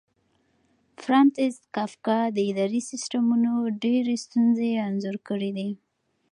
فرانتس کافکا د اداري سیسټمونو ډېرې ستونزې انځور کړې دي.